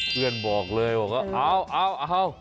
เพื่อนบอกเลยเอาเอาเอา